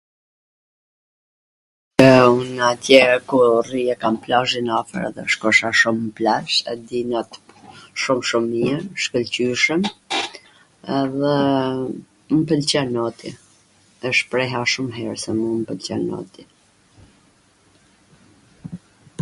e, un atje ku rri e kam plazhin afwr edhe shkosha shum n plazh e di not shum shum mir, shkwlqyshwm edhe mw pwlqen noti... e shpreha shum her se mu m pwlqen noti